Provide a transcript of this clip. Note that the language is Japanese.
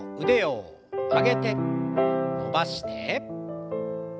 腕を曲げて伸ばして。